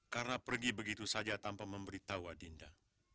karena pergi begitu saja tanpa memberitahu adinda